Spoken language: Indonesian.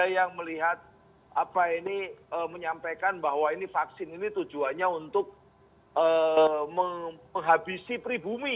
yang melihat apa ini menyampaikan bahwa ini vaksin ini tujuannya untuk menghabisi pribumi